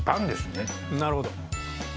なるほど。